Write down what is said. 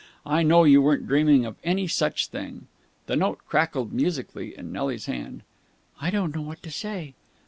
I know you weren't dreaming of any such thing." The note crackled musically in Nelly's hand. "I don't know what to say!"